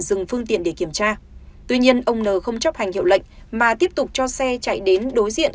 dừng phương tiện để kiểm tra tuy nhiên ông n không chấp hành hiệu lệnh mà tiếp tục cho xe chạy đến đối diện